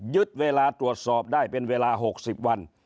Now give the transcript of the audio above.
เวลาตรวจสอบได้เป็นเวลา๖๐วัน